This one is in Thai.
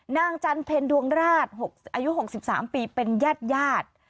นางจันเพ็ญดวงราชอายุ๖๓ปีเป็นแยทยาตร